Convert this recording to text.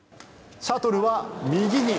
シャトルは右に。